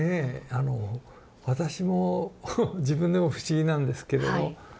あの私も自分でも不思議なんですけれど。